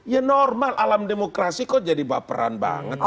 ya normal alam demokrasi kok jadi baperan banget